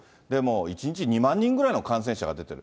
１日２万人ぐらいの感染者が出ている。